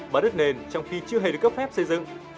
bán đất nền trong khi chưa hề được cấp phép xây dựng